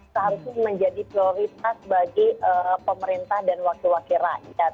seharusnya menjadi prioritas bagi pemerintah dan wakil wakil rakyat